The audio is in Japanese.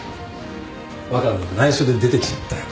若菜に内緒で出てきちゃったよ。